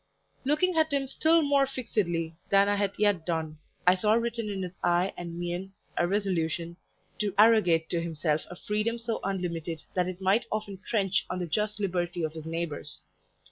Looking at him still more fixedly than I had yet done, I saw written in his eye and mien a resolution to arrogate to himself a freedom so unlimited that it might often trench on the just liberty of his neighbours.